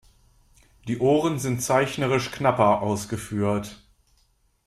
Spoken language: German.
Die Ohren sind zeichnerisch knapper ausgeführt.